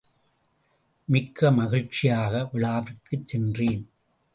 மிக்க மகிழ்ச்சியாக விழாவிற்குச் சென்றேன்.